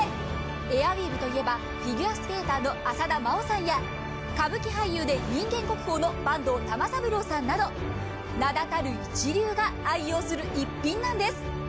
エアウィーヴといえばフィギュアスケーターの浅田真央さんや歌舞伎俳優で人間国宝の坂東玉三郎さんなど、名だたる一流が愛用する逸品なんです。